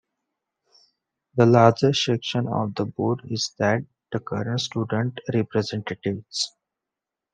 The largest section of the board is that of the Current Student Representatives.